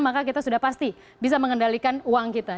maka kita sudah pasti bisa mengendalikan uang kita